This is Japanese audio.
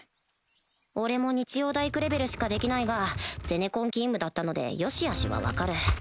俺も日曜大工レベルしかできないがゼネコン勤務だったので良しあしは分かる